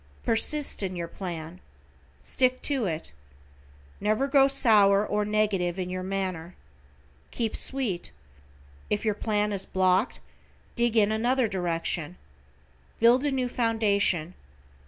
Persist in your plan. Stick to it. Never grow sour or negative in your manner. Keep sweet. If your plan is blocked, dig in another direction. Build a new foundation.